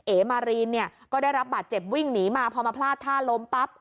เอมารีนเนี่ยก็ได้รับบาดเจ็บวิ่งหนีมาพอมาพลาดท่าล้มปั๊บ